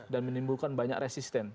dan menimbulkan banyak resisten